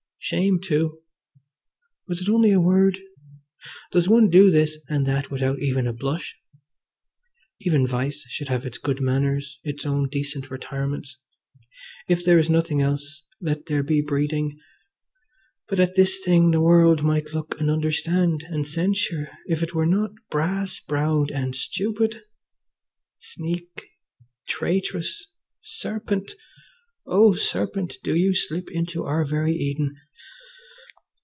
Shame too! was it only a word? Does one do this and that without even a blush? Even vice should have its good manners, its own decent retirements. If there is nothing else let there be breeding! But at this thing the world might look and understand and censure if it were not brass browed and stupid. Sneak! Traitress! Serpent! Oh, Serpent! do you slip into our very Eden?